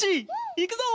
いくぞ！